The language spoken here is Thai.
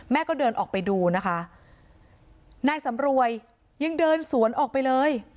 ก็เดินออกไปดูนะคะนายสำรวยยังเดินสวนออกไปเลย